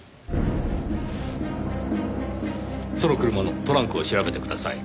その車のトランクを調べてください。